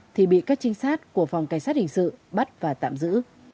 thì bị các trinh sát của phòng cảnh sát hình sự bắt và tạm giữ